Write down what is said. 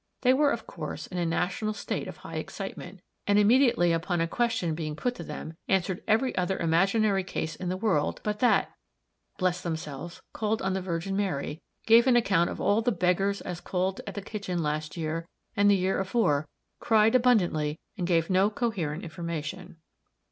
They were, of course, in a national state of high excitement, and immediately upon a question being put to them, answered every other imaginary case in the world but that, blessed themselves, called on the Virgin Mary, gave an account of all the beggars as called at the kitchen last year and the year afore, cried abundantly, and gave no coherent information.